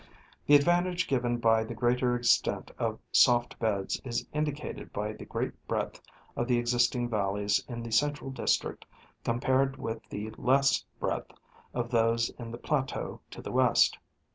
The advantage given by the greater extent of soft beds is indicated by the great breadth of the existing valleys in the central district compared with the less breadth of those in the plateau to the west.